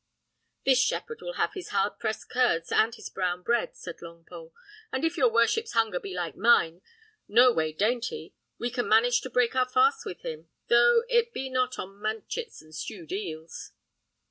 "This shepherd will have his hard pressed curds and his brown bread," said Longpole; "and if your worship's hunger be like mine, no way dainty, we can manage to break our fast with him, though it be not on manchets and stewed eels."